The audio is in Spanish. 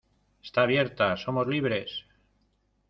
¡ Está abierta! ¡ somos libres !